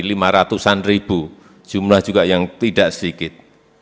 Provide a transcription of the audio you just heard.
lima ratusan ribu jumlah juga yang tidak sedikit